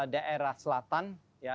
daerah selatan ya